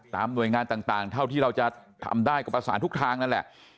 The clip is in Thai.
หน่วยงานต่างเท่าที่เราจะทำได้ก็ประสานทุกทางนั่นแหละ